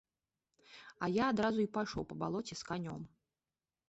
А я адразу і пайшоў па балоце з канём.